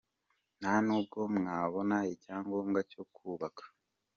Nta n’ubwo mwabona icyangombwa cyo kubaka.